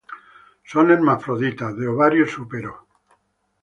Son hermafroditas, de ovario súpero.